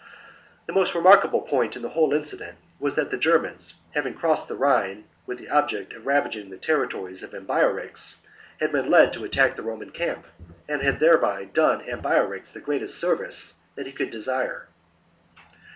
The most remarkable point in the whole incident was that the Germans, having crossed the Rhine with the object of ravaging the territories of Ambiorix, had been led to attack the Roman camp, and had thereby done Ambiorix the greatest service that he could desire.